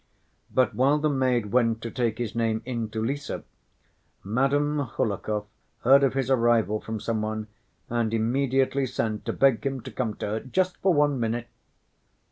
But while the maid went to take his name in to Lise, Madame Hohlakov heard of his arrival from some one, and immediately sent to beg him to come to her "just for one minute."